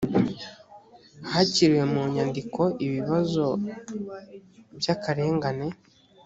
hakiriwe mu nyandiko ibibazo by akarengane